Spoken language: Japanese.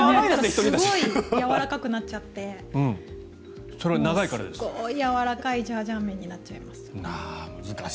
すごいやわらかくなっちゃってすごいやわらかいジャージャー麺になっちゃいました。